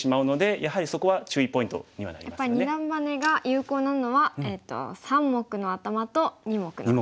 やっぱり二段バネが有効なのは三目のアタマと二目のアタマ。